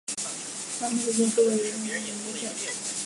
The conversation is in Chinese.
霍尔姆斯县是位于美国密西西比州中部的一个县。